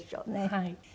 はい。